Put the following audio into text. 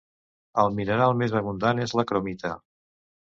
El mineral més abundant és la cromita.